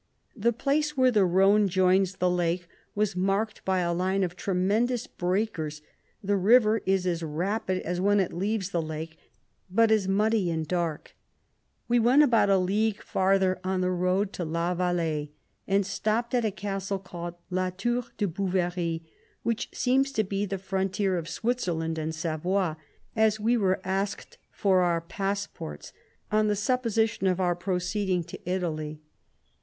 The place where the Rhone joins the lake was marked by a line of tremendous breakers ; the river is as rapid as when it leaves the lake, but is muddy and dark. We went about a league farther on the road to La Valais, and stopped at a castle called La Tour de Bouverie, which seems to be the frontier of Switzerland and Savoy, as we were asked for our passports, on the supposition of our proceeding to Italy.